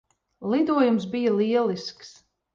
Lidojums bija lielisks.